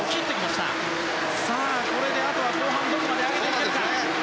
これであとは後半どこまで上げれるか。